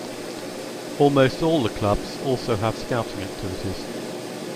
Almost all the clubs also have scouting activities.